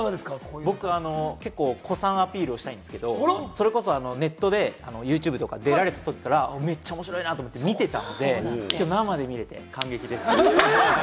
僕、古参アピールしたいんですけれども、ネットでユーチューバーとか出られてたときから、めっちゃ面白いなと思って見てたので、きょう生で見れて感激です。